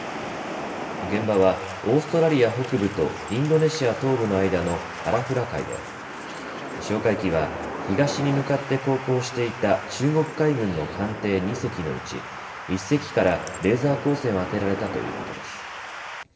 現場はオーストラリア北部とインドネシア東部の間のアラフラ海で哨戒機は東に向かって航行していた中国海軍の艦艇２隻のうち１隻からレーザー光線を当てられたということです。